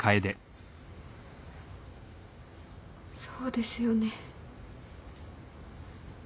そうですよね。